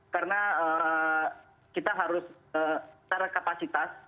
karena kita harus secara kapasitas